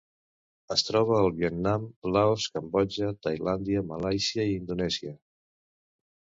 Es troba al Vietnam, Laos, Cambodja, Tailàndia, Malàisia i Indonèsia.